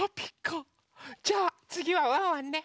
じゃあつぎはワンワンね。